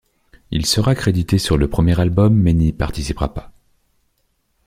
Il sera crédité sur le premier album mais n'y participa pas.